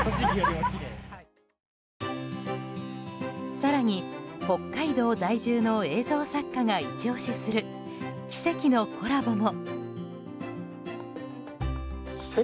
更に北海道在住の映像作家がイチ押しする奇跡のコラボも。